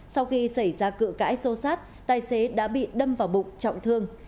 sau khi xảy ra cự cãi xô sát tài xế đã bị đâm vào bụng trọng thương